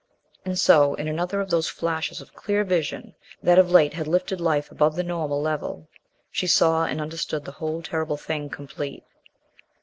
And so, in another of those flashes of clear vision that of late had lifted life above the normal level, she saw and understood the whole terrible thing complete.